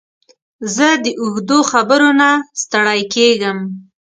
زه د اوږدو خبرو نه ستړی کېږم.